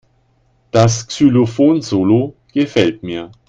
Das Xylophon-Solo gefällt mir.